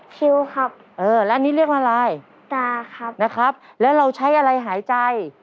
คิวครับเออแล้วอันนี้เรียกอะไรตาครับนะครับแล้วเราใช้อะไรหายใจ